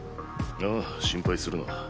ああ心配するな。